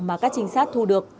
mà các trinh sát thu được